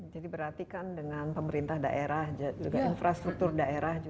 jadi berarti kan dengan pemerintah daerah juga infrastruktur daerah